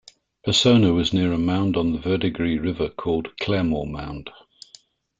Pasona was near a mound on the Verdigris River called Claremore Mound.